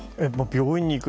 病院に行く。